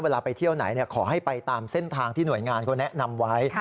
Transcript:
ไปเที่ยวไหนขอให้ไปตามเส้นทางที่หน่วยงานเขาแนะนำไว้